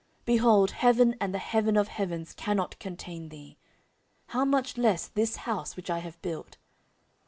behold, heaven and the heaven of heavens cannot contain thee; how much less this house which I have built!